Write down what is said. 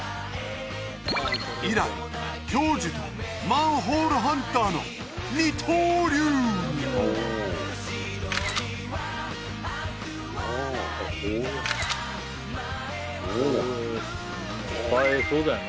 以来教授とマンホールハンターの二刀流そうだよね